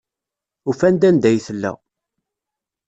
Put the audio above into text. Ufan-d anda ay tella.